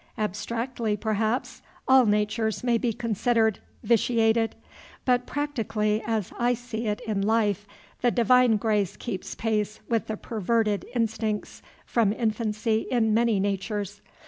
"Abstractly, perhaps, all natures may be considered vitiated; but practically, as I see it in life, the divine grace keeps pace with the perverted instincts from infancy in many natures.